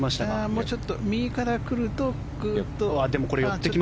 もうちょっと右から来るとグーッと。